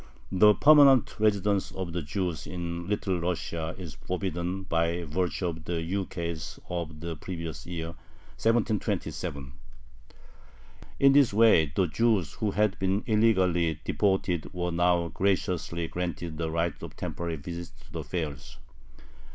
The [permanent] residence of the Jews in Little Russia is forbidden by virtue of the ukase of the previous year, 1727. In this way the Jews who had been illegally deported were now "graciously" granted the right of temporary visits to the fairs.